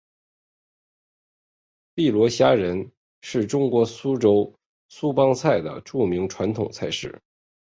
碧螺虾仁是中国苏州苏帮菜的著名传统菜式。